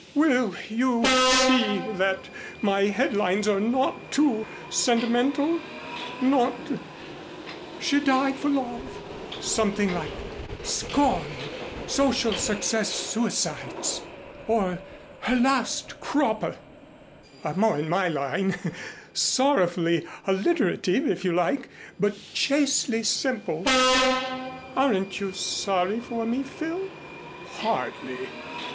Will you see that my headlines are not too sentimental? Not, 'She Died for Love'; something like 'Scorned Social Success Suicides' or 'Her Last Cropper,' are more in my line. Sorrowfully alliterative, if you like, but chastely simple. Aren't you sorry for me, Phil?" "Hardly.